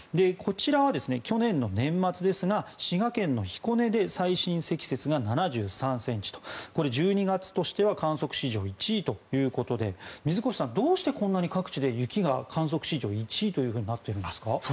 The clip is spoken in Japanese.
こちらは去年の年末ですが滋賀県の彦根で最深積雪が７３ｃｍと１２月としては観測史上１位ということで水越さん、どうして各地で雪が観測史上１位となっているんですか。